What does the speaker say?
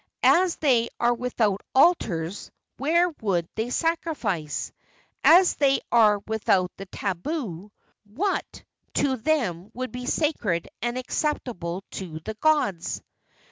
As they are without altars, where would they sacrifice? As they are without the tabu, what to them would be sacred and acceptable to the gods?"